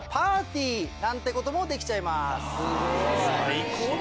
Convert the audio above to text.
最高だな！